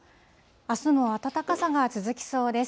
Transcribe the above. あすも暖かさが続きそうです。